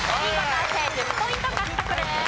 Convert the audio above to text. １０ポイント獲得です。